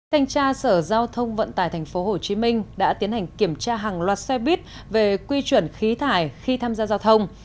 thanh tra sở giao thông vận tải tp hcm đã tiến hành kiểm tra hàng loạt xe buýt về quy chuẩn khí thải khi tham gia giao thông